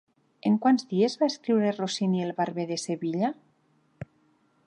En quants dies va escriure Rossini el Barber de Sevilla?